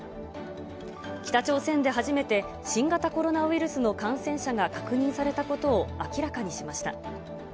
北朝鮮で初めて、新型コロナウイルスの感染者が確認されたことを明らかにしました。